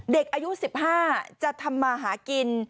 เด็กอายุ๑๕จะทำมาหากิน